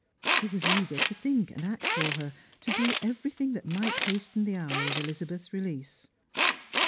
He wag eager to think and act for her, to do everything that might hasten the hour of Elizabeth's release.